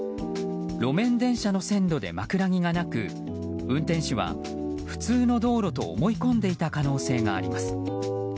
路面電車の線路で枕木がなく運転手は普通の道路と思い込んでいた可能性があります。